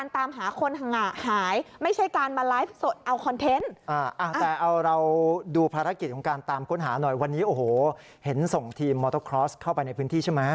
แต่เอาเราดูภารกิจของการตามค้นหาหน่อยวันนี้โอ้โหเห็นส่งทีมมอเตอร์คลอสเข้าไปในพื้นที่ใช่ไหม